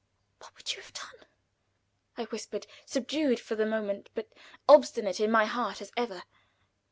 "What would you have done?" I whispered, subdued for the moment, but obstinate in my heart as ever.